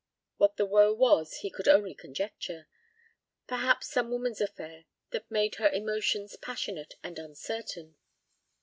What the woe was he could only conjecture; perhaps some woman's affair that made her emotions passionate and uncertain.